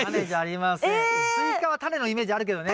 スイカはタネのイメージあるけどね。